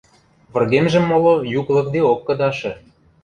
Выргемжӹм моло юк лыкдеок кыдашы.